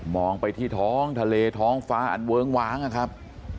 องไปที่ท้องทะเลท้องฟ้าอันเวิ้งว้างนะครับ